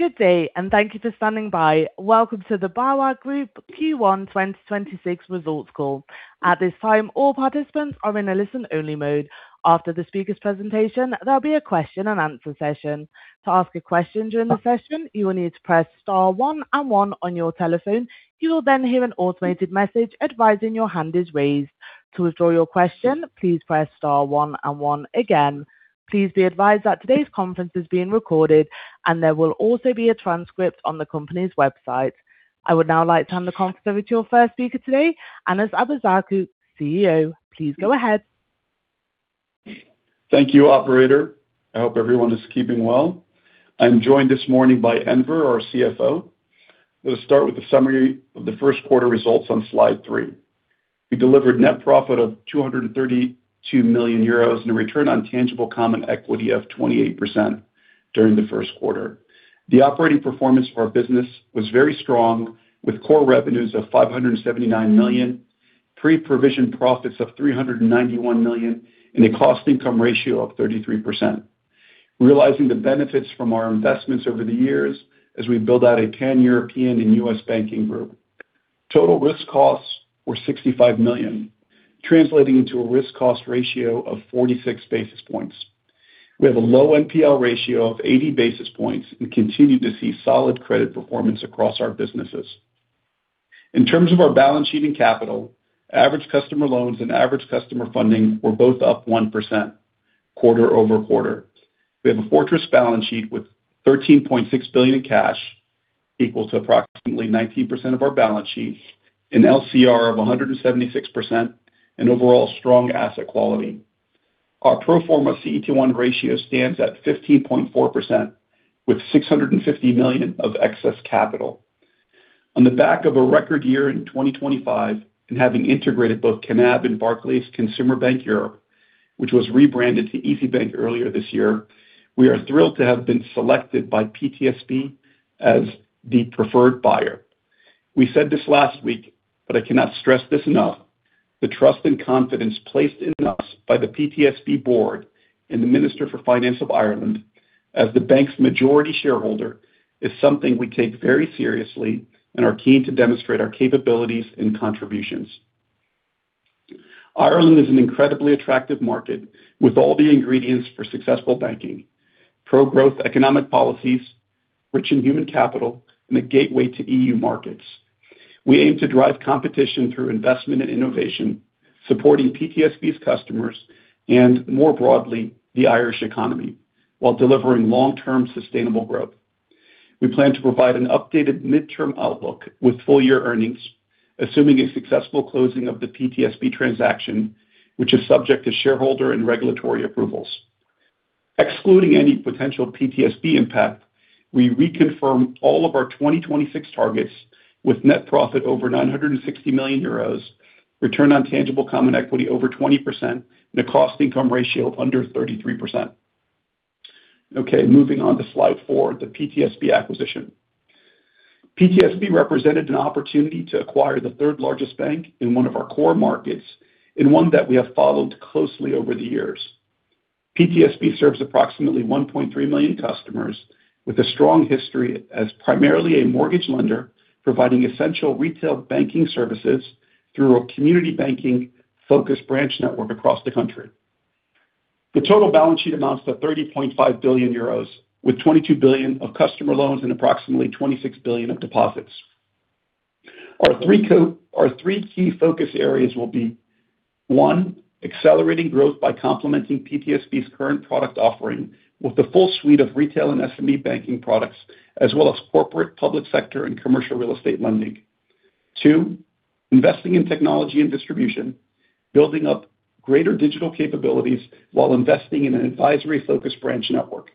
Good day, and thank you for standing by. Welcome to the BAWAG Group Q1 2026 results call. At this time, all participants are in a listen-only mode. After the speaker's presentation, there'll be a question and answer session. To ask a question during the session, you will need to press star one and one on your telephone. You will then hear an automated message advising your hand is raised. To withdraw your question, please press star one and one again. Please be advised that today's conference is being recorded, and there will also be a transcript on the company's website. I would now like to hand the conference over to your first speaker today, Anas Abuzaakouk, CEO. Please go ahead. Thank you, operator. I hope everyone is keeping well. I'm joined this morning by Enver, our CFO. I'm going to start with a summary of the first quarter results on slide three. We delivered net profit of 232 million euros and a return on tangible common equity of 28% during the first quarter. The operating performance for our business was very strong, with core revenues of 579 million, pre-provision profits of 391 million, and a cost income ratio of 33%. Realizing the benefits from our investments over the years as we build out a pan-European and U.S. banking group. Total risk costs were 65 million, translating into a risk cost ratio of 46 basis points. We have a low NPL ratio of 80 basis points and continue to see solid credit performance across our businesses. In terms of our balance sheet and capital, average customer loans and average customer funding were both up 1% quarter-over-quarter. We have a fortress balance sheet with 13.6 billion in cash, equal to approximately 19% of our balance sheet, an LCR of 176%, and overall strong asset quality. Our pro forma CET1 ratio stands at 15.4%, with 650 million of excess capital. On the back of a record year in 2025 and having integrated both Knab and Barclays Consumer Bank Europe, which was rebranded to easybank earlier this year, we are thrilled to have been selected by PTSB as the preferred buyer. We said this last week, but I cannot stress this enough, the trust and confidence placed in us by the PTSB board and the Minister for Finance of Ireland as the bank's majority shareholder is something we take very seriously and are keen to demonstrate our capabilities and contributions. Ireland is an incredibly attractive market with all the ingredients for successful banking, pro-growth economic policies, rich in human capital, and a gateway to EU markets. We aim to drive competition through investment and innovation, supporting PTSB's customers and, more broadly, the Irish economy while delivering long-term sustainable growth. We plan to provide an updated midterm outlook with full-year earnings, assuming a successful closing of the PTSB transaction, which is subject to shareholder and regulatory approvals. Excluding any potential PTSB impact, we reconfirm all of our 2026 targets with net profit over 960 million euros, return on tangible common equity over 20%, and a cost income ratio of under 33%. Okay, moving on to slide four, the PTSB acquisition. PTSB represented an opportunity to acquire the third largest bank in one of our core markets and one that we have followed closely over the years. PTSB serves approximately 1.3 million customers with a strong history as primarily a mortgage lender, providing essential retail banking services through a community banking-focused branch network across the country. The total balance sheet amounts to 30.5 billion euros, with 22 billion of customer loans and approximately 26 billion of deposits. Our three key focus areas will be, one, accelerating growth by complementing PTSB's current product offering with the full suite of retail and SME banking products, as well as corporate, public sector, and commercial real estate lending. Two, investing in technology and distribution, building up greater digital capabilities while investing in an advisory-focused branch network,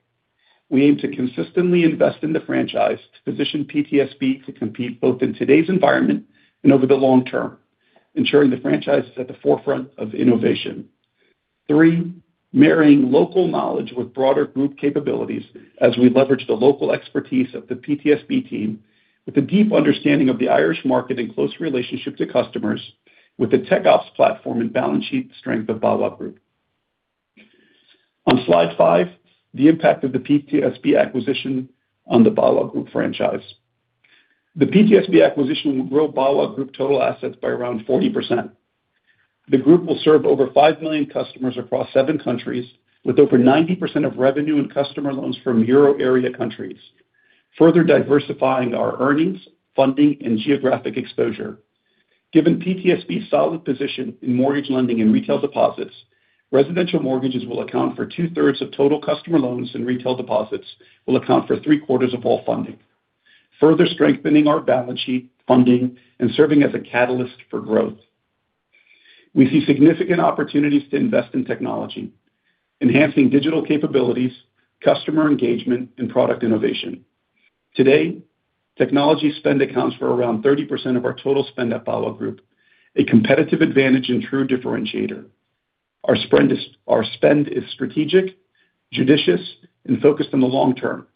we aim to consistently invest in the franchise to position PTSB to compete both in today's environment and over the long term, ensuring the franchise is at the forefront of innovation. Three, marrying local knowledge with broader group capabilities as we leverage the local expertise of the PTSB team with a deep understanding of the Irish market in close relationship to customers with the Tech Ops platform and balance sheet strength of BAWAG Group. On slide five, the impact of the PTSB acquisition on the BAWAG Group franchise. The PTSB acquisition will grow BAWAG Group total assets by around 40%. The group will serve over 5 million customers across seven countries, with over 90% of revenue and customer loans from euro area countries, further diversifying our earnings, funding, and geographic exposure. Given PTSB's solid position in mortgage lending and retail deposits, residential mortgages will account for 2/3 of total customer loans, and retail deposits will account for 3/4 of all funding, further strengthening our balance sheet funding and serving as a catalyst for growth. We see significant opportunities to invest in technology, enhancing digital capabilities, customer engagement, and product innovation. Today, technology spend accounts for around 30% of our total spend at BAWAG Group, a competitive advantage and true differentiator. Our spend is strategic, judicious, and focused on the long term.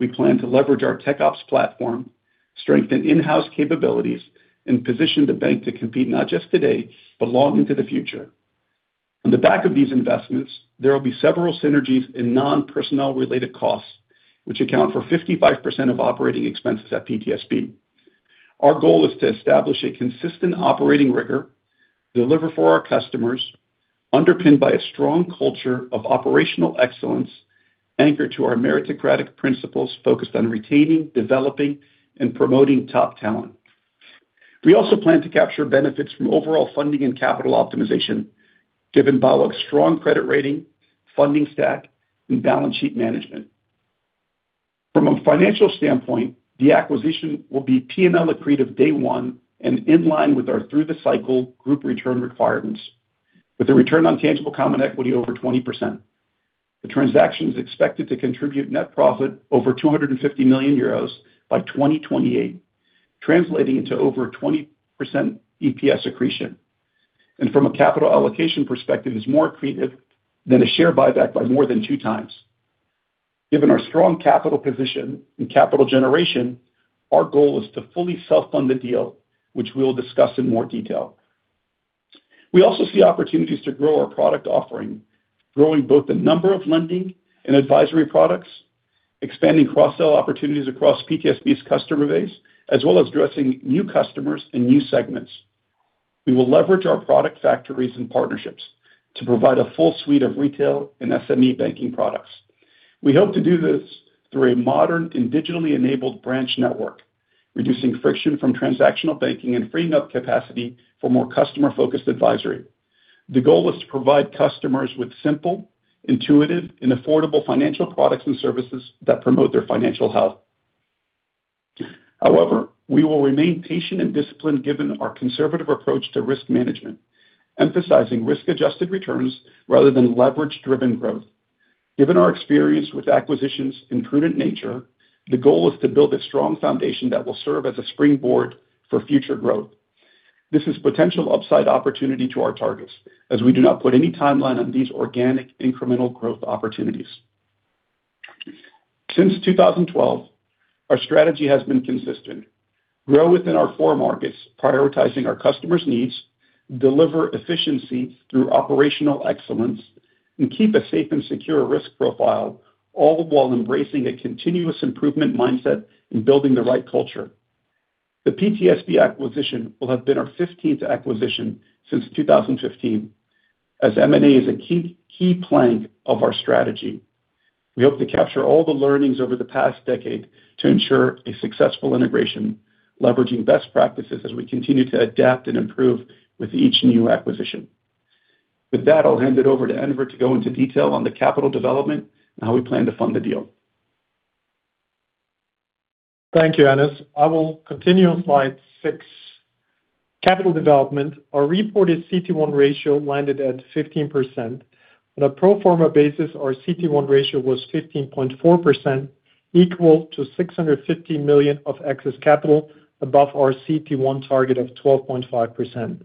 We plan to leverage our Tech Ops platform, strengthen in-house capabilities, and position the bank to compete not just today, but long into the future. On the back of these investments, there will be several synergies in non-personnel related costs, which account for 55% of operating expenses at PTSB. Our goal is to establish a consistent operating rigor, deliver for our customers, underpinned by a strong culture of operational excellence anchored to our meritocratic principles focused on retaining, developing, and promoting top talent. We also plan to capture benefits from overall funding and capital optimization, given BAWAG's strong credit rating, funding stack, and balance sheet management. From a financial standpoint, the acquisition will be P&L accretive day one and in line with our through the cycle group return requirements with a Return on Tangible Common Equity over 20%. The transaction is expected to contribute net profit over 250 million euros by 2028, translating into over 20% EPS accretion. From a capital allocation perspective, is more accretive than a share buyback by more than 2x. Given our strong capital position and capital generation, our goal is to fully self-fund the deal, which we'll discuss in more detail. We also see opportunities to grow our product offering, growing both the number of lending and advisory products, expanding cross-sell opportunities across PTSB's customer base, as well as addressing new customers and new segments. We will leverage our product factories and partnerships to provide a full suite of retail and SME banking products. We hope to do this through a modern and digitally enabled branch network, reducing friction from transactional banking and freeing up capacity for more customer-focused advisory. The goal is to provide customers with simple, intuitive, and affordable financial products and services that promote their financial health. However, we will remain patient and disciplined given our conservative approach to risk management, emphasizing risk-adjusted returns rather than leverage-driven growth. Given our experience with acquisitions and prudent nature, the goal is to build a strong foundation that will serve as a springboard for future growth. This is potential upside opportunity to our targets, as we do not put any timeline on these organic incremental growth opportunities. Since 2012, our strategy has been consistent, grow within our four markets, prioritizing our customers' needs, deliver efficiency through operational excellence, and keep a safe and secure risk profile, all while embracing a continuous improvement mindset in building the right culture. The PTSB acquisition will have been our 15th acquisition since 2015, as M&A is a key plank of our strategy. We hope to capture all the learnings over the past decade to ensure a successful integration, leveraging best practices as we continue to adapt and improve with each new acquisition. With that, I'll hand it over to Enver to go into detail on the capital development and how we plan to fund the deal. Thank you, Anas. I will continue on slide six. Capital development. Our reported CET1 ratio landed at 15%, on a pro forma basis, our CET1 ratio was 15.4%, equal to 650 million of excess capital above our CET1 target of 12.5%.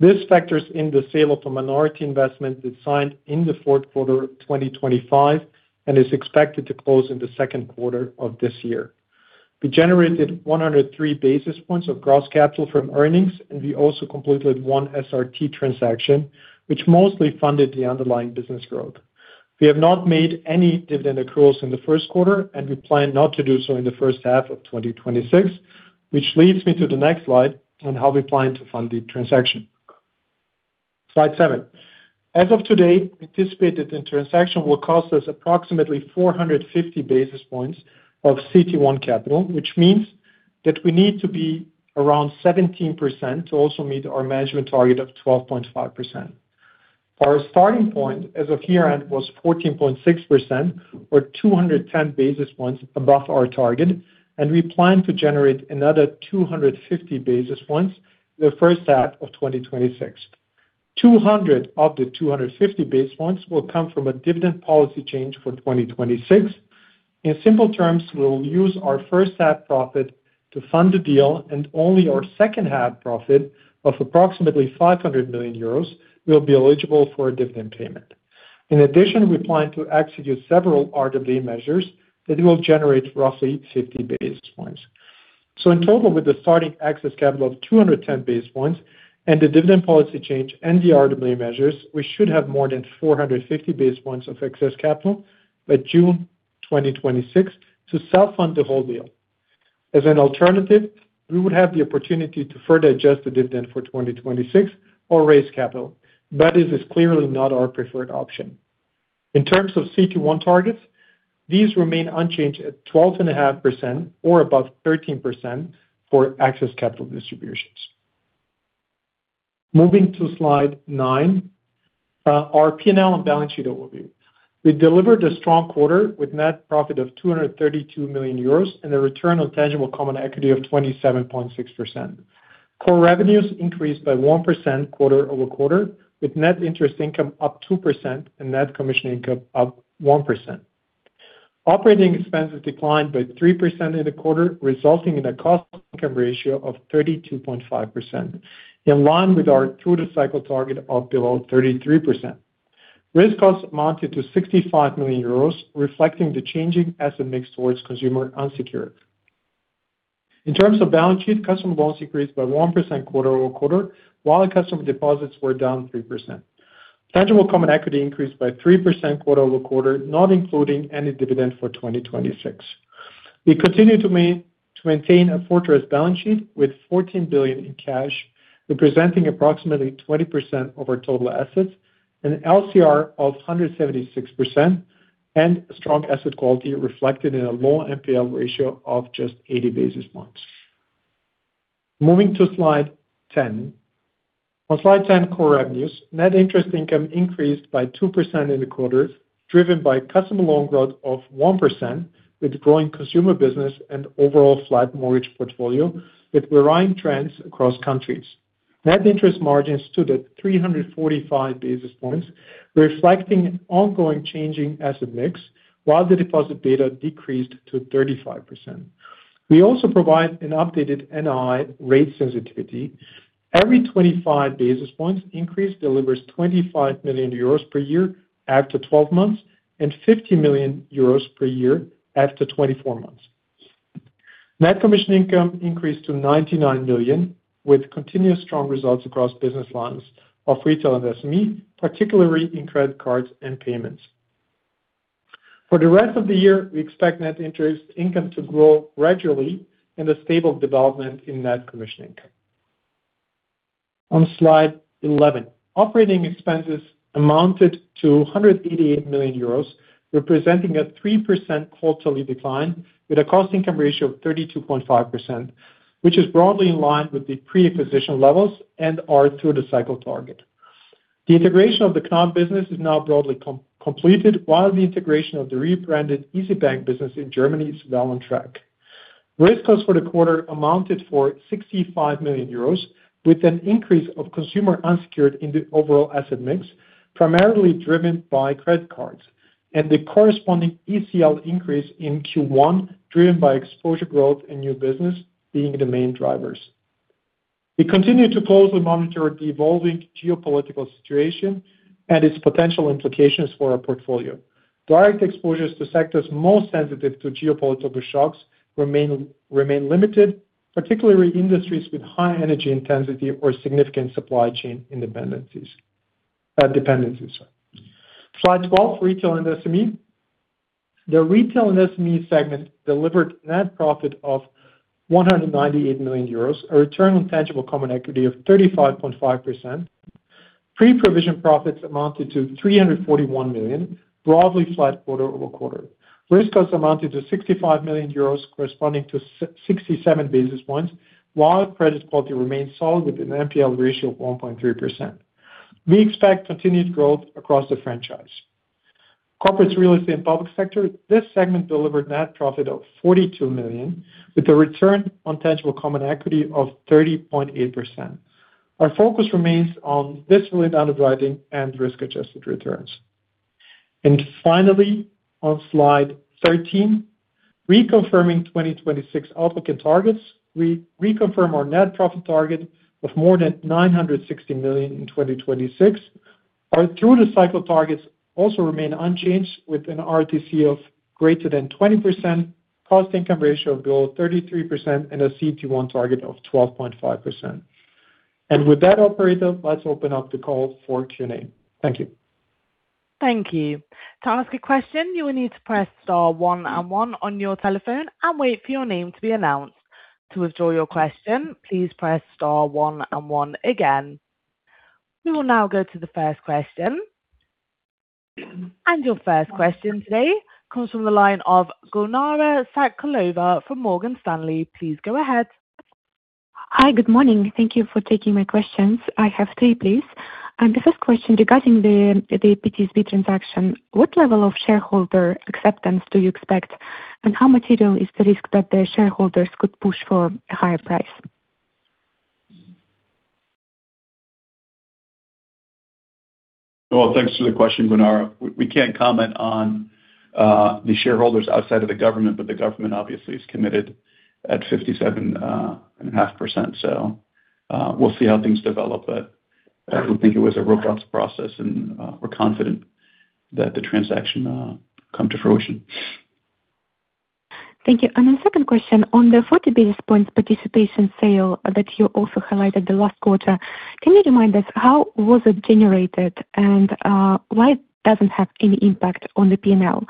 This factors in the sale of a minority investment that signed in the fourth quarter of 2025 and is expected to close in the second quarter of this year. We generated 103 basis points of gross capital from earnings, and we also completed one SRT transaction, which mostly funded the underlying business growth. We have not made any dividend accruals in the first quarter, and we plan not to do so in the first half of 2026, which leads me to the next slide on how we plan to fund the transaction. Slide seven. As of today, we anticipate the transaction will cost us approximately 450 basis points of CET1 capital, which means that we need to be around 17% to also meet our management target of 12.5%. Our starting point as of year-end was 14.6%, or 210 basis points above our target, and we plan to generate another 250 basis points in the first half of 2026. 200 of the 250 basis points will come from a dividend policy change for 2026. In simple terms, we will use our first half profit to fund the deal, and only our second half profit of approximately 500 million euros will be eligible for a dividend payment. In addition, we plan to execute several RWA measures that will generate roughly 50 basis points. In total, with the starting excess capital of 210 basis points and the dividend policy change and the RWA measures, we should have more than 450 basis points of excess capital by June 2026 to self-fund the whole deal. As an alternative, we would have the opportunity to further adjust the dividend for 2026 or raise capital. That is clearly not our preferred option. In terms of CET1 targets, these remain unchanged at 12.5% or above 13% for excess capital distributions. Moving to slide nine, our P&L and balance sheet overview. We delivered a strong quarter with net profit of 232 million euros and a return on tangible common equity of 27.6%. Core revenues increased by 1% quarter-over-quarter, with net interest income up 2% and net commission income up 1%. Operating expenses declined by 3% in the quarter, resulting in a cost income ratio of 32.5%, in line with our through the cycle target of below 33%. Risk costs amounted to 65 million euros, reflecting the changing asset mix towards consumer unsecured. In terms of balance sheet, customer loans increased by 1% quarter-over-quarter, while the customer deposits were down 3%. Tangible common equity increased by 3% quarter-over-quarter, not including any dividend for 2026. We continue to maintain a fortress balance sheet with 14 billion in cash, representing approximately 20% of our total assets, an LCR of 176%, and strong asset quality reflected in a low NPL ratio of just 80 basis points. Moving to slide 10. On slide 10, core revenues, net interest income increased by 2% in the quarter, driven by customer loan growth of 1% with growing consumer business and overall flat mortgage portfolio with varying trends across countries. Net interest margins stood at 345 basis points, reflecting ongoing changing asset mix while the deposit beta decreased to 35%. We also provide an updated NII rate sensitivity. Every 25 basis points increase delivers 25 million euros per year after 12 months and 50 million euros per year after 24 months. Net commission income increased to 99 million with continuous strong results across business lines of retail and SME, particularly in credit cards and payments. For the rest of the year, we expect net interest income to grow gradually and a stable development in net commission income. On slide 11, operating expenses amounted to 188 million euros, representing a 3% quarterly decline with a cost income ratio of 32.5%, which is broadly in line with the pre-acquisition levels and our through the cycle target. The integration of the Knab business is now broadly completed, while the integration of the rebranded easybank business in Germany is well on track. Risk costs for the quarter amounted to 65 million euros, with an increase in consumer unsecured in the overall asset mix, primarily driven by credit cards and the corresponding ECL increase in Q1 driven by exposure growth and new business being the main drivers. We continue to closely monitor the evolving geopolitical situation and its potential implications for our portfolio. Direct exposures to sectors most sensitive to geopolitical shocks remain limited, particularly industries with high energy intensity or significant supply chain dependencies. Slide 12, Retail and SME. The Retail and SME segment delivered net profit of 198 million euros, a return on tangible common equity of 35.5%. Pre-provision profits amounted to 341 million, broadly flat quarter-over-quarter. Risk costs amounted to 65 million euros, corresponding to 67 basis points, while credit quality remains solid with an NPL ratio of 1.3%. We expect continued growth across the franchise. Corporate, Real Estate, and Public Sector. This segment delivered net profit of 42 million, with a return on tangible common equity of 30.8%. Our focus remains on disciplined underwriting and risk-adjusted returns. Finally, on slide 13, reconfirming 2026 outlook and targets. We reconfirm our net profit target of more than 960 million in 2026. Our through-the-cycle targets also remain unchanged with a ROTCE of greater than 20%, cost income ratio of below 33%, and a CET1 target of 12.5%. With that, operator, let's open up the call for Q&A. Thank you. Thank you. To ask a question, you will need to press star one and one on your telephone and wait for your name to be announced. To withdraw your question, please press star one and one again. We will now go to the first question. Your first question today comes from the line of Gulnara Saitkulova from Morgan Stanley. Please go ahead. Hi. Good morning. Thank you for taking my questions. I have three, please. The first question regarding the PTSB transaction. What level of shareholder acceptance do you expect? How material is the risk that the shareholders could push for a higher price? Well, thanks for the question, Gulnara. We can't comment on the shareholders outside of the government, but the government obviously is committed at 57.5%. We'll see how things develop. I would think it was a robust process, and we're confident that the transaction come to fruition. Thank you. My second question on the 40 basis points participation sale that you also highlighted last quarter. Can you remind us how was it generated, and why it doesn't have any impact on the P&L?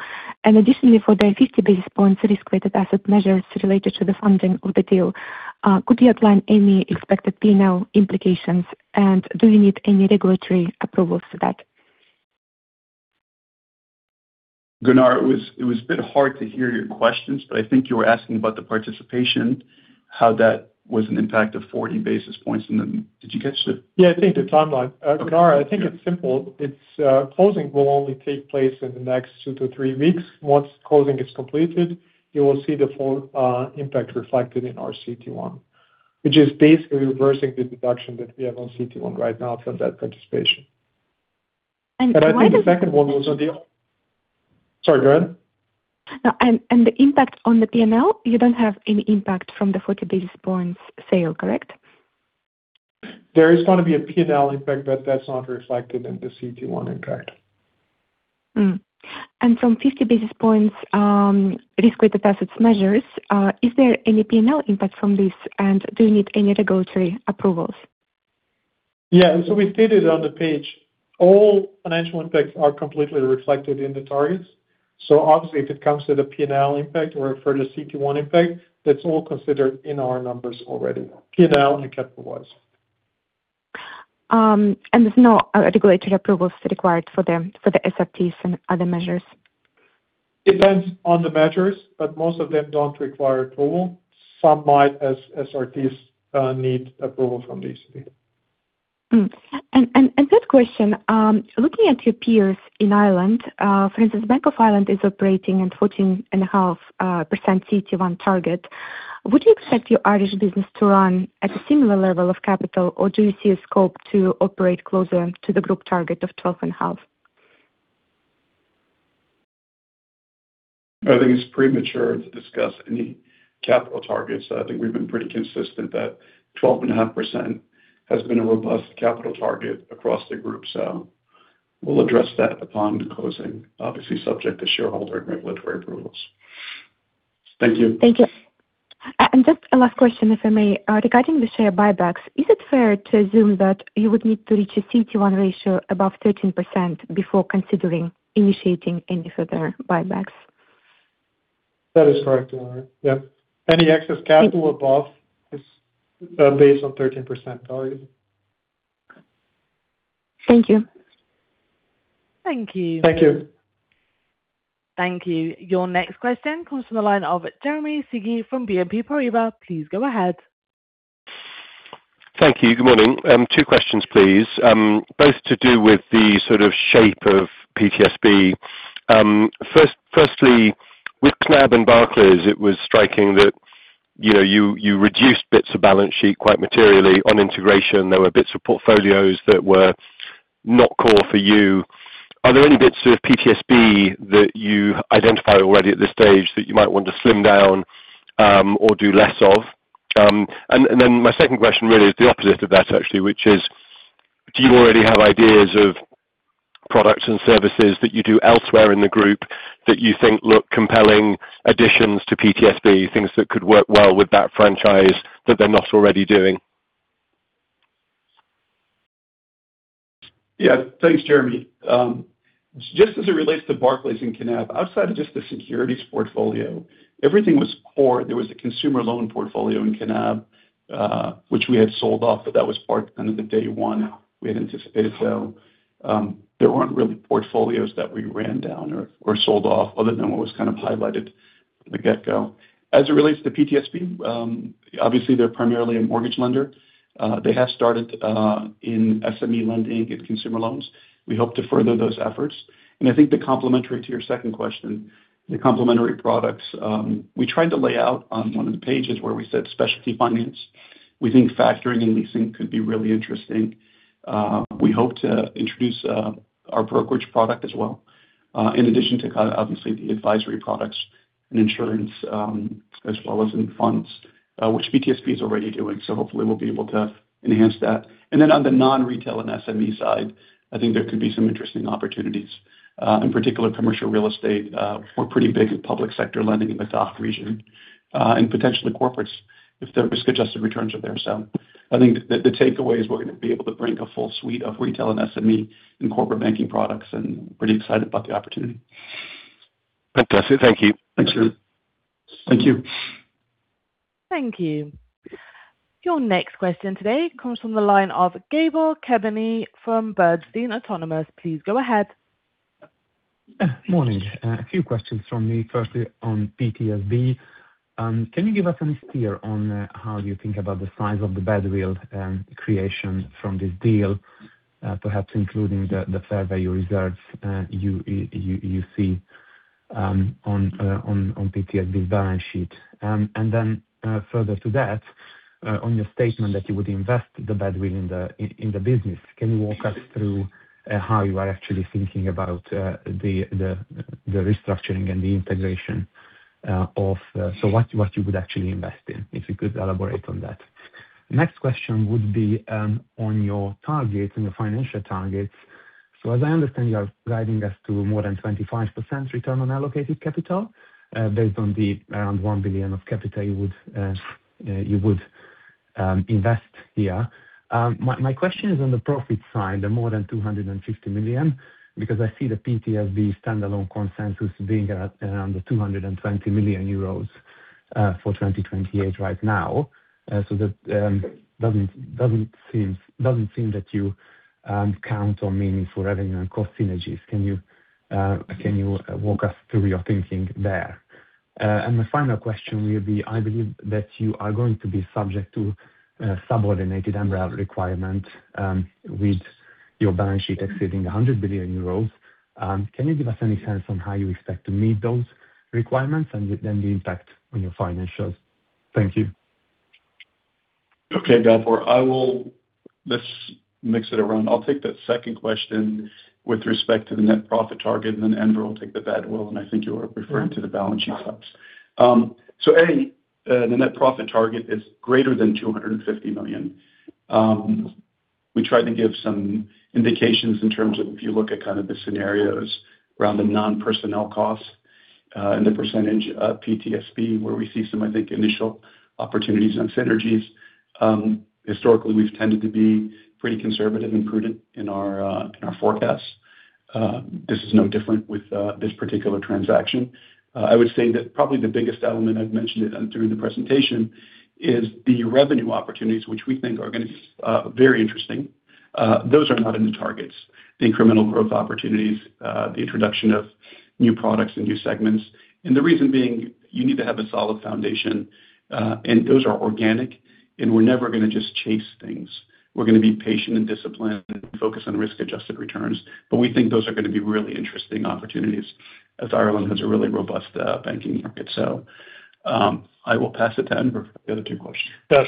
Additionally, for the 50 basis points risk-weighted asset measures related to the funding of the deal, could you outline any expected P&L implications? Do you need any regulatory approvals for that? Gulnara, it was a bit hard to hear your questions, but I think you were asking about the participation, how that was an impact of 40 basis points. Then did you get to the- Yeah, I think the timeline. Gulnara, I think it's simple. It's closing will only take place in the next 2-3 weeks. Once closing is completed, you will see the full impact reflected in our CET1, which is basically reversing the deduction that we have on CET1 right now from that participation. Why does it? Sorry, go ahead. No, and the impact on the P&L, you don't have any impact from the 40 basis points sale, correct? There is going to be a P&L impact, but that's not reflected in the CET1 impact. From 50 basis points risk-weighted assets measures, is there any P&L impact from this? Do you need any regulatory approvals? Yeah. We stated on the page, all financial impacts are completely reflected in the targets. Obviously, if it comes to the P&L impact or for the CET1 impact, that's all considered in our numbers already, P&L and capital-wise. There's no regulatory approvals required for the SRTs and other measures? Depends on the measures, but most of them don't require approval. Some might, as SRTs need approval from the ECB. Third question, looking at your peers in Ireland, for instance, Bank of Ireland is operating at a 14.5% CET1 target. Would you expect your Irish business to run at a similar level of capital, or do you see a scope to operate closer to the group target of 12.5%? I think it's premature to discuss any capital targets. I think we've been pretty consistent that 12.5% has been a robust capital target across the group. We'll address that upon closing, obviously subject to shareholder and regulatory approvals. Thank you. Thank you. Just a last question, if I may. Regarding the share buybacks, is it fair to assume that you would need to reach a CET1 ratio above 13% before considering initiating any further buybacks? That is correct, Gulnara. Yeah. Any excess capital above is based on 13% target. Thank you. Thank you. Thank you. Thank you. Your next question comes from the line of Jeremy Sigee from BNP Paribas. Please go ahead. Thank you. Good morning. Two questions, please, both to do with the sort of shape of PTSB. Firstly, with Knab and Barclays, it was striking that you reduced bits of balance sheet quite materially on integration. There were bits of portfolios that were not core for you. Are there any bits of PTSB that you identify already at this stage that you might want to slim down or do less of? My second question really is the opposite of that actually, which is, do you already have ideas of products and services that you do elsewhere in the group that you think look compelling additions to PTSB, things that could work well with that franchise that they're not already doing? Yeah. Thanks, Jeremy. Just as it relates to Barclays and Knab, outside of just the securities portfolio, everything was core. There was a consumer loan portfolio in Knab, which we had sold off, but that was part kind of the day one we had anticipated. So there weren't really portfolios that we ran down or sold off other than what was kind of highlighted from the get-go. As it relates to PTSB, obviously they're primarily a mortgage lender. They have started in SME lending and consumer loans. We hope to further those efforts. I think the complementary to your second question, the complementary products, we tried to lay out on one of the pages where we said specialty finance. We think factoring and leasing could be really interesting. We hope to introduce our brokerage product as well, in addition to obviously the advisory products and insurance, as well as in funds, which PTSB is already doing. Hopefully we'll be able to enhance that. On the non-retail and SME side, I think there could be some interesting opportunities, in particular commercial real estate. We're pretty big in public sector lending in the DACH region, and potentially corporates if the risk-adjusted returns are there. I think the takeaway is we're going to be able to bring a full suite of retail and SME and corporate banking products, and pretty excited about the opportunity. Fantastic. Thank you. Thank you. Thank you. Your next question today comes from the line of Gabor Kemeny from Bernstein Autonomous. Please go ahead. Morning. A few questions from me, firstly on PTSB. Can you give us a steer on how you think about the size of the badwill creation from this deal, perhaps including the fair value reserves you see on PTSB's balance sheet? Further to that, on your statement that you would invest the badwill in the business, can you walk us through how you are actually thinking about the restructuring and the integration. What you would actually invest in, if you could elaborate on that. Next question would be on your targets and the financial targets. As I understand, you are guiding us to more than 25% return on allocated capital, based on the around 1 billion of capital you would invest here. My question is on the profit side, the more than 250 million, because I see the PTSB standalone consensus being around the 220 million euros for 2028 right now. That doesn't seem that you count on meaningful revenue and cost synergies. Can you walk us through your thinking there? My final question will be, I believe that you are going to be subject to a subordinated umbrella requirement with your balance sheet exceeding 100 billion euros. Can you give us any sense on how you expect to meet those requirements and then the impact on your financials? Thank you. Okay, Gabor. I will mix it around. I'll take the second question with respect to the net profit target, and then Enver will take the badwill, and I think you are referring to the balance sheet stops. A, the net profit target is greater than 250 million. We tried to give some indications in terms of if you look at kind of the scenarios around the non-personnel costs and the percentage of PTSB where we see some, I think, initial opportunities on synergies. Historically, we've tended to be pretty conservative and prudent in our forecasts. This is no different with this particular transaction. I would say that probably the biggest element I've mentioned during the presentation is the revenue opportunities, which we think are going to be very interesting. Those are not in the targets, the incremental growth opportunities, the introduction of new products and new segments. The reason being, you need to have a solid foundation, and those are organic, and we're never going to just chase things. We're going to be patient and disciplined and focus on risk-adjusted returns. We think those are going to be really interesting opportunities as Ireland has a really robust banking market. I will pass it to Enver for the other two questions. Yes.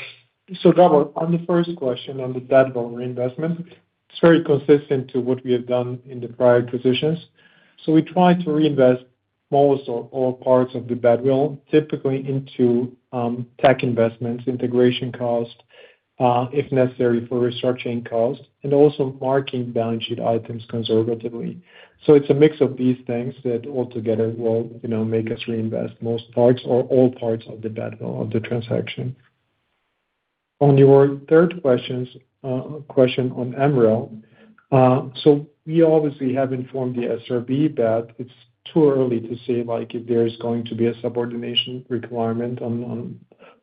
Gabor on the first question on the badwill reinvestment, it's very consistent to what we have done in the prior positions. We try to reinvest most or all parts of the badwill, typically into tech investments, integration cost, if necessary, for restructuring costs, and also marking balance sheet items conservatively. It's a mix of these things that altogether will make us reinvest most parts or all parts of the badwill of the transaction. On your third question on MREL. We obviously have informed the SRB that it's too early to say if there is going to be a subordination requirement on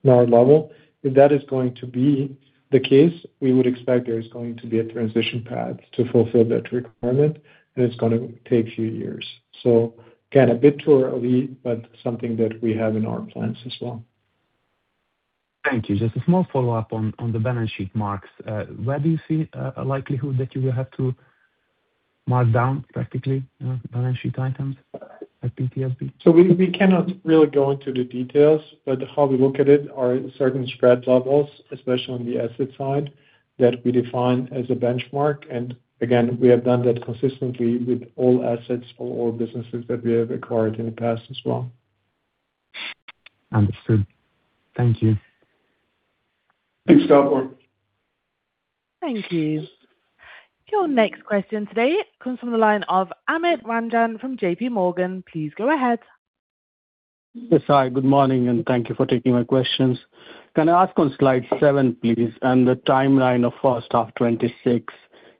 our level. If that is going to be the case, we would expect there is going to be a transition path to fulfill that requirement, and it's going to take a few years. Again, a bit too early, but something that we have in our plans as well. Thank you. Just a small follow-up on the balance sheet marks. Where do you see a likelihood that you will have to mark down practically balance sheet items at PTSB? We cannot really go into the details, but how we look at it are certain spread levels, especially on the asset side, that we define as a benchmark. Again, we have done that consistently with all assets for all businesses that we have acquired in the past as well. Understood. Thank you. Thanks, Gabor. Thank you. Your next question today comes from the line of Amit Ranjan from JPMorgan. Please go ahead. Yes. Hi, good morning, and thank you for taking my questions. Can I ask on slide seven, please, on the timeline of first half 2026.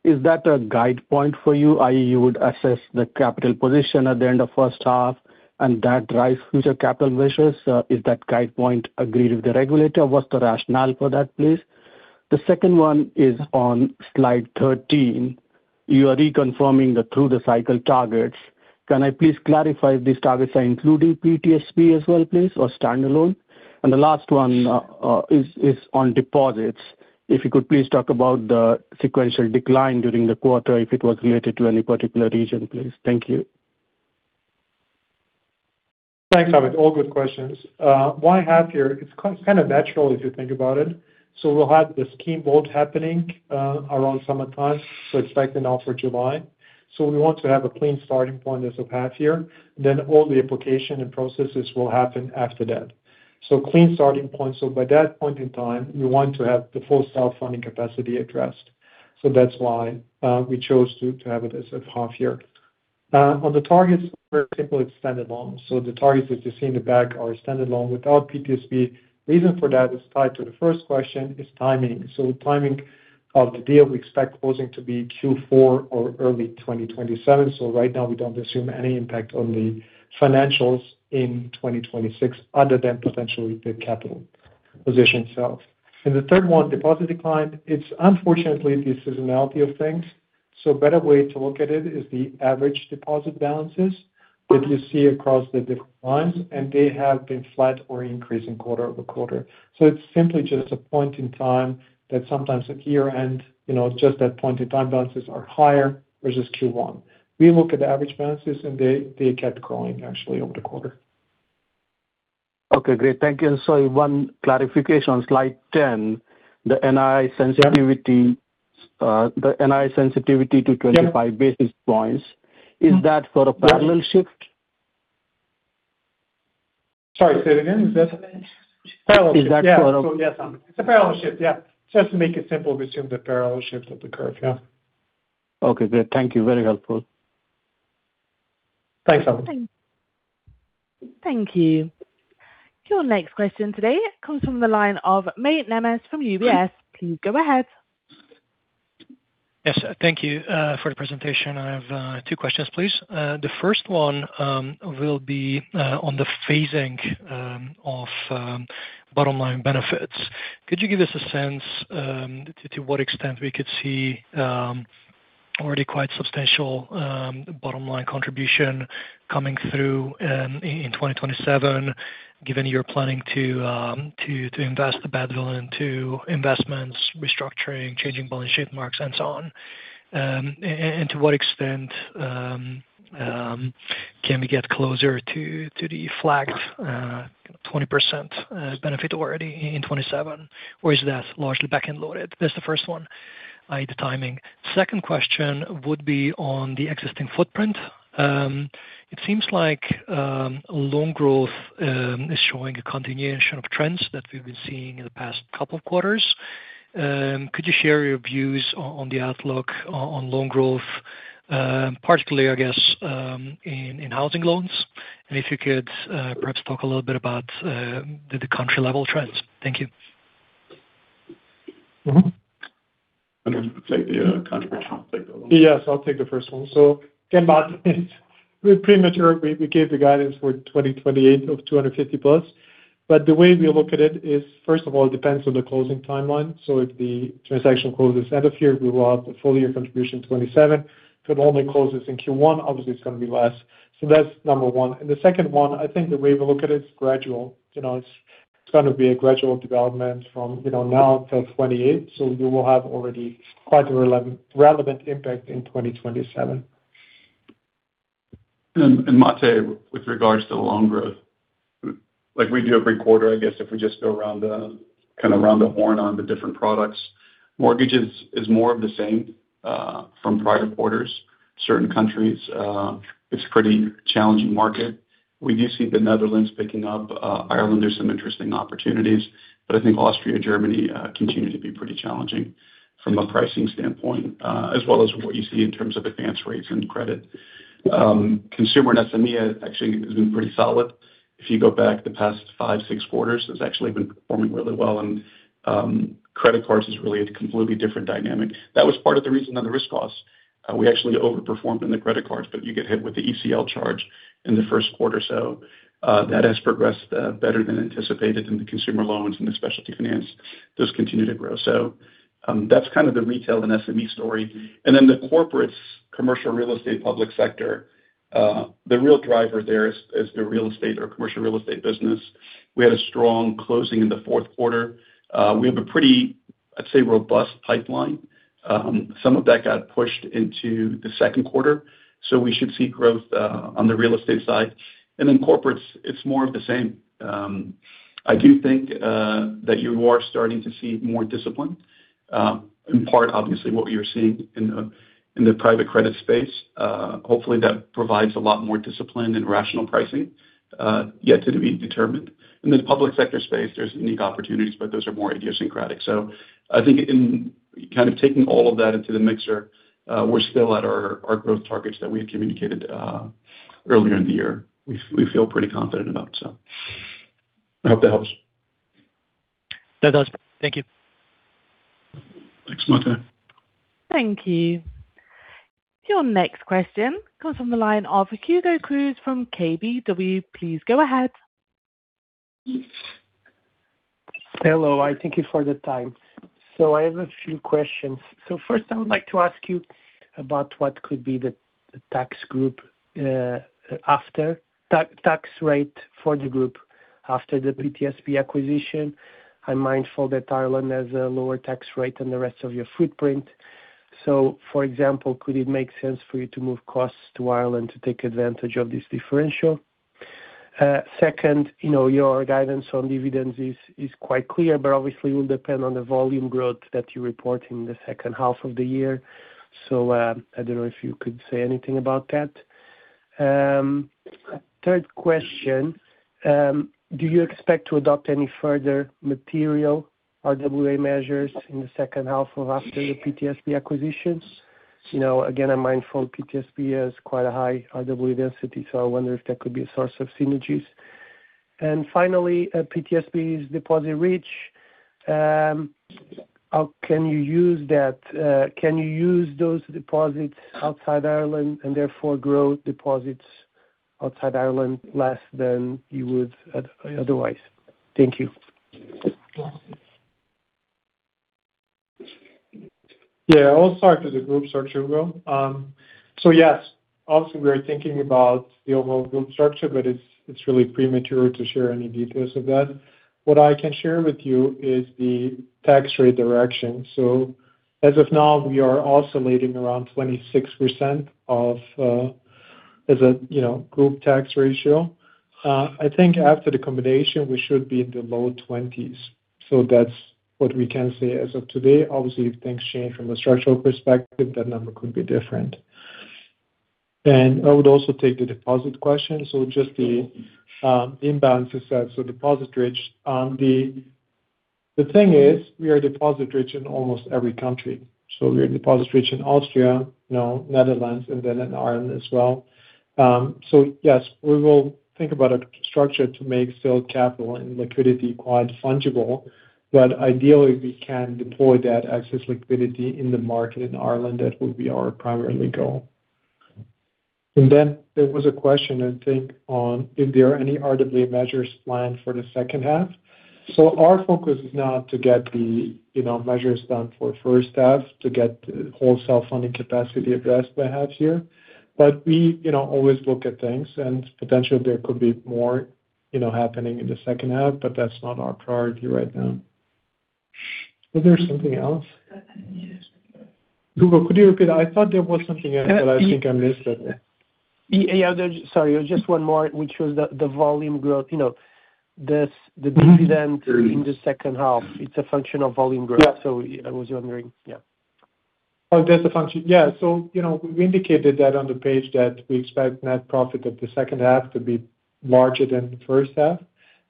Is that a guide point for you, i.e., you would assess the capital position at the end of first half and that drives future capital measures? Is that guide point agreed with the regulator? What's the rationale for that, please? The second one is on slide 13. You are reconfirming the through the cycle targets. Can I please clarify if these targets are including PTSB as well, please, or standalone? The last one is on deposits. If you could please talk about the sequential decline during the quarter, if it was related to any particular region, please. Thank you. Thanks, Amit. All good questions. Why half year? It's kind of natural if you think about it. We'll have the scheme vote happening around summertime. It's likely now for July. We want to have a clean starting point as of half year, then all the application and processes will happen after that. Clean starting point. By that point in time, we want to have the full self-funding capacity addressed. That's why we chose to have it as of half year. On the targets for SME extended loans. The targets that you see in the back are extended loan without PTSB. Reason for that is tied to the first question is timing. Timing of the deal, we expect closing to be Q4 or early 2027. Right now we don't assume any impact on the financials in 2026 other than potentially the capital position itself. The third one, deposit decline, it's unfortunately the seasonality of things. Better way to look at it is the average deposit balances that you see across the different times, and they have been flat or increasing quarter-over-quarter. It's simply just a point in time that sometimes at year-end, just that point in time balances are higher versus Q1. We look at the average balances and they kept growing actually over the quarter. Okay, great. Thank you. Sorry, one clarification on slide 10, the NII sensitivity to 25 basis points. Is that for a parallel shift? Sorry, say it again. Is that parallel? Is that for a? Yeah. It's a parallel shift, yeah. Just to make it simple, we assume the parallel shift of the curve. Yeah. Okay, great. Thank you. Very helpful. Thanks, Amit. Thank you. Your next question today comes from the line of Mate Nemes from UBS. Please go ahead. Yes. Thank you for the presentation. I have two questions, please. The first one will be on the phasing of bottom line benefits. Could you give us a sense to what extent we could see already quite substantial bottom line contribution coming through in 2027 given you're planning to invest the badwill into investments, restructuring, changing balance sheet marks and so on? To what extent can we get closer to the flagged 20% benefit already in 2027? Or is that largely back-end loaded? That's the first one, the timing. Second question would be on the existing footprint. It seems like loan growth is showing a continuation of trends that we've been seeing in the past couple of quarters. Could you share your views on the outlook on loan growth, particularly, I guess, in housing loans? If you could perhaps talk a little bit about the country-level trends. Thank you. I'm going to take the country one. You take the loan. Yes. I'll take the first one. Again, Mate, we're premature. We gave the guidance for 2028 of 250+ million. The way we look at it is, first of all, it depends on the closing timeline. If the transaction closes end of year, we will have the full year contribution 2027. If it only closes in Q1, obviously it's going to be less. That's number one. The second one, I think the way we look at it's gradual. It's going to be a gradual development from now until 2028. You will have already quite a relevant impact in 2027. Mate, with regards to the loan growth, like we do every quarter, I guess if we just go kind of around the horn on the different products, mortgages is more of the same from prior quarters. Certain countries, it's a pretty challenging market. We do see the Netherlands picking up. Ireland, there's some interesting opportunities. I think Austria, Germany continue to be pretty challenging from a pricing standpoint, as well as what you see in terms of advance rates and credit. Consumer in SME actually has been pretty solid. If you go back the past five, six quarters, has actually been performing really well and credit cards is really a completely different dynamic. That was part of the reason on the risk costs. We actually overperformed in the credit cards, but you get hit with the ECL charge in the first quarter, so that has progressed better than anticipated in the consumer loans and the specialty finance does continue to grow. That's kind of the retail and SME story. The Corporates, Commercial Real Estate, Public Sector, the real driver there is the real estate or commercial real estate business. We had a strong closing in the fourth quarter. We have a pretty, I'd say, robust pipeline. Some of that got pushed into the second quarter, so we should see growth on the real estate side. Corporates, it's more of the same. I do think that you are starting to see more discipline. In part, obviously, what we are seeing in the private credit space. Hopefully, that provides a lot more discipline and rational pricing. Yet to be determined. In the public sector space, there's unique opportunities, but those are more idiosyncratic. I think in kind of taking all of that into the mixer, we're still at our growth targets that we had communicated earlier in the year. We feel pretty confident about it. I hope that helps. That does. Thank you. Thanks, Mate. Thank you. Your next question comes from the line of Hugo Cruz from KBW. Please go ahead. Hello. Thank you for the time. I have a few questions. First, I would like to ask you about what could be the tax rate for the group after the PTSB acquisition. I'm mindful that Ireland has a lower tax rate than the rest of your footprint. For example, could it make sense for you to move costs to Ireland to take advantage of this differential? Second, your guidance on dividends is quite clear, but obviously will depend on the volume growth that you report in the second half of the year. I don't know if you could say anything about that. Third question, do you expect to adopt any further material RWA measures in the second half or after the PTSB acquisition? Again, I'm mindful that PTSB has quite a high RWA density, so I wonder if that could be a source of synergies. Finally, PTSB is deposit rich. How can you use that? Can you use those deposits outside Ireland and therefore grow deposits outside Ireland less than you would otherwise? Thank you. Yeah. I'll start with the group structure, Hugo. Yes, obviously we are thinking about the overall group structure, but it's really premature to share any details of that. What I can share with you is the tax rate direction. As of now, we are oscillating around 26% as a group tax ratio. I think after the combination, we should be in the low 20s. That's what we can say as of today. Obviously, if things change from a structural perspective, that number could be different. I would also take the deposit question. Just the imbalance you said, so deposit rich. The thing is, we are deposit rich in almost every country. We are deposit rich in Austria, Netherlands, and then in Ireland as well. Yes, we will think about a structure to make capital and liquidity quite fungible. Ideally, we can deploy that excess liquidity in the market in Ireland. That would be our primary goal. Then there was a question, I think, on if there are any RWA measures planned for the second half. Our focus is now to get the measures done for first half to get the wholesale funding capacity addressed by half year. We always look at things, and potentially there could be more. You know, happening in the second half, but that's not our priority right now. Was there something else? Hugo, could you repeat that? I thought there was something else that I think I missed at the- Yeah. Sorry, just one more, which was the volume growth. The dividend in the second half, it's a function of volume growth. Yeah. I was wondering, yeah. Oh, that's a function. Yeah. We indicated that on the page that we expect net profit of the second half to be larger than the first half.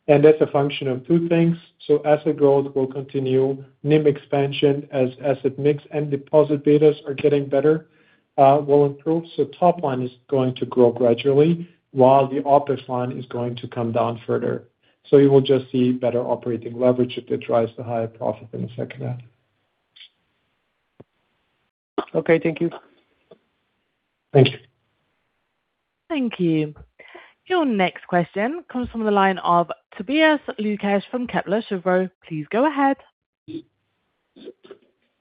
That's a function of two things. Asset growth will continue, NIM expansion as asset mix and deposit betas are getting better, will improve. Top line is going to grow gradually while the OpEx line is going to come down further. You will just see better operating leverage that drives the higher profit in the second half. Okay, thank you. Thank you. Thank you. Your next question comes from the line of Tobias Lukesch from Kepler Cheuvreux. Please go ahead.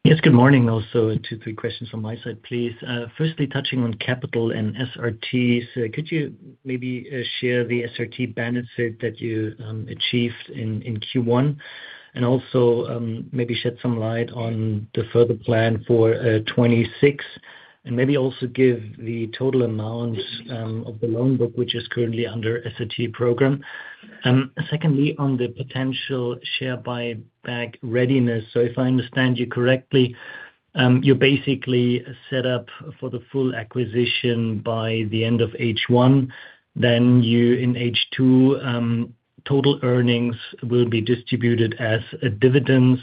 Yes, good morning. Also two, three questions from my side, please. Firstly, touching on capital and SRTs. Could you maybe share the SRT benefit that you achieved in Q1? And also, maybe shed some light on the further plan for 2026, and maybe also give the total amount of the loan book, which is currently under SRT program. Secondly, on the potential share buyback readiness. If I understand you correctly, you're basically set up for the full acquisition by the end of H1, then you in H2, total earnings will be distributed as dividends.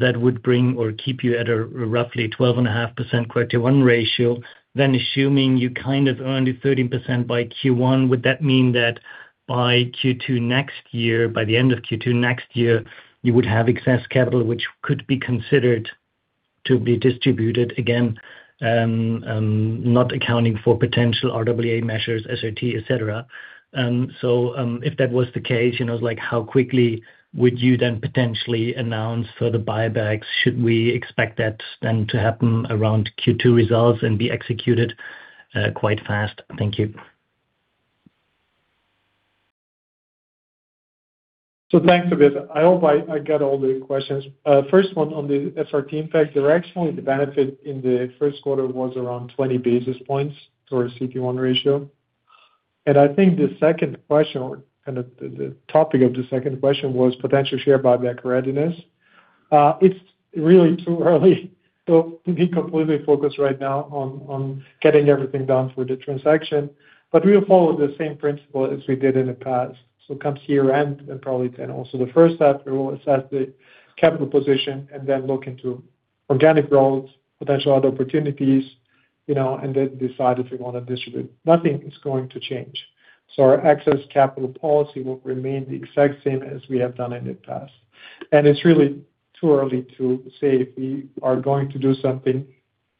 That would bring or keep you at a roughly 12.5% CET1 ratio. Assuming you kind of earned a 13% by Q1, would that mean that by Q2 next year, by the end of Q2 next year, you would have excess capital which could be considered to be distributed again, not accounting for potential RWA measures, SRT, et cetera. If that was the case, how quickly would you then potentially announce for the buybacks? Should we expect that then to happen around Q2 results and be executed quite fast? Thank you. Thanks, Tobias. I hope I got all the questions. First one on the SRT impact. Directionally, the benefit in the first quarter was around 20 basis points to our CET1 ratio. I think the second question or kind of the topic of the second question was potential share buyback readiness. It's really too early so we'll be completely focused right now on getting everything done for the transaction. We'll follow the same principle as we did in the past. Come to year-end, and probably then also the first half, we will assess the capital position and then look into organic growth, potential other opportunities, and then decide if we want to distribute. Nothing is going to change. Our excess capital policy will remain the exact same as we have done in the past. It's really too early to say if we are going to do something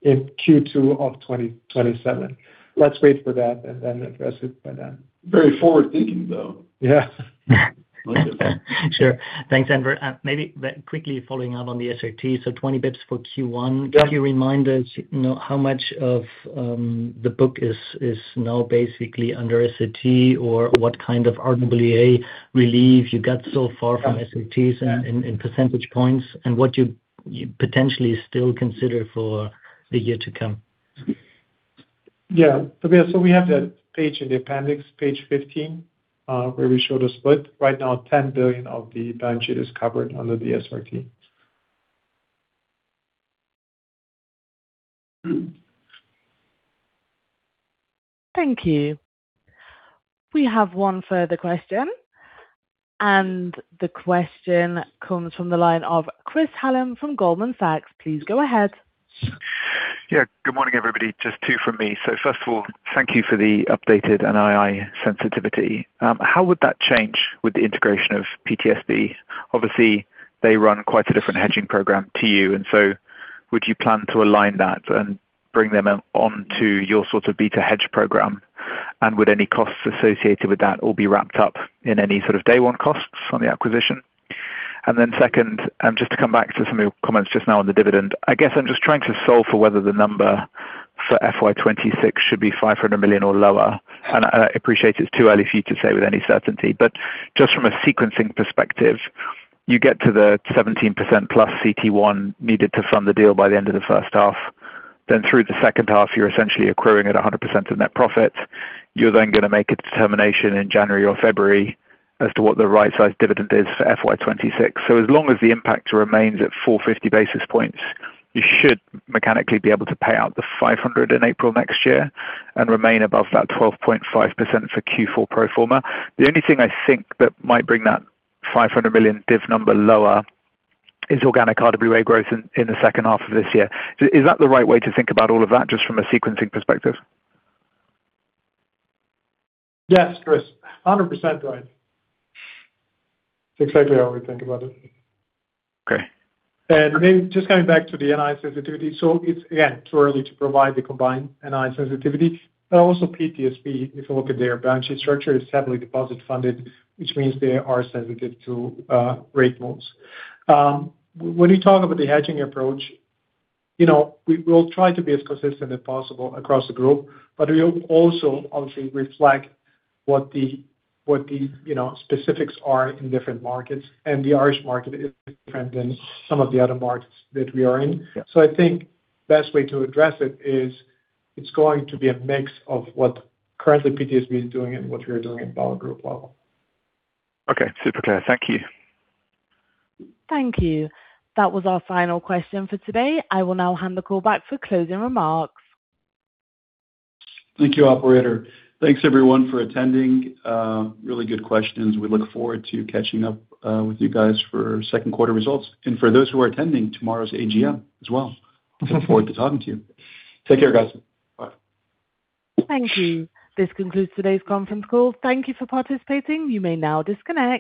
in Q2 of 2027. Let's wait for that and then address it by then. Very forward-thinking, though. Yeah. Sure. Thanks, Enver. Maybe quickly following up on the SRT, so 20 basis points for Q1. Yeah. Could you remind us, how much of the book is now basically under SRT or what kind of RWA relief you got so far from SRTs in percentage points and what you potentially still consider for the year to come? Yeah. Tobias, so we have that page in the appendix, page 15, where we show the split. Right now, 10 billion of the balance sheet is covered under the SRT. Thank you. We have one further question, and the question comes from the line of Chris Hallam from Goldman Sachs. Please go ahead. Yeah. Good morning, everybody. Just two from me. First of all, thank you for the updated NII sensitivity. How would that change with the integration of PTSB? Obviously, they run quite a different hedging program to you, and so would you plan to align that and bring them onto your sort of beta hedge program? And would any costs associated with that all be wrapped up in any sort of day one costs on the acquisition? Then second, just to come back to some of your comments just now on the dividend, I guess I'm just trying to solve for whether the number for FY 2026 should be 500 million or lower. I appreciate it's too early for you to say with any certainty, but just from a sequencing perspective, you get to the 17%+ CET1 needed to fund the deal by the end of the first half. Through the second half, you're essentially accruing at 100% of net profit. You're then going to make a determination in January or February as to what the right size dividend is for FY 2026. As long as the impact remains at 450 basis points, you should mechanically be able to pay out the 500 million in April next year and remain above that 12.5% for Q4 pro forma. The only thing I think that might bring that 500 million div number lower is organic RWA growth in the second half of this year. Is that the right way to think about all of that, just from a sequencing perspective? Yes, Chris. 100% right. It's exactly how we think about it. Okay. Just coming back to the NII sensitivity. It's again, too early to provide the combined NII sensitivity. Also PTSB, if you look at their balance sheet structure, is heavily deposit funded, which means they are sensitive to rate moves. When we talk about the hedging approach, we will try to be as consistent as possible across the group, but we will also obviously reflect what the specifics are in different markets, and the Irish market is different than some of the other markets that we are in. Yeah. I think the best way to address it is it's going to be a mix of what currently PTSB is doing and what we are doing at BAWAG Group level. Okay. Super clear. Thank you. Thank you. That was our final question for today. I will now hand the call back for closing remarks. Thank you, operator. Thanks, everyone, for attending. Really good questions. We look forward to catching up with you guys for second quarter results. For those who are attending tomorrow's AGM as well, looking forward to talking to you. Take care, guys. Bye. Thank you. This concludes today's conference call. Thank you for participating. You may now disconnect.